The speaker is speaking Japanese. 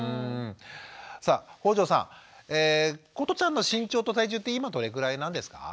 さあ北條さんことちゃんの身長と体重って今どれぐらいなんですか？